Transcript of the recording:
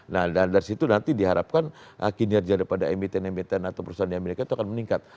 nah dari situ nanti diharapkan kinerja daripada emiten emiten atau perusahaan di amerika itu akan meningkat